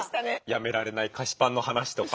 やめられない菓子パンの話とか。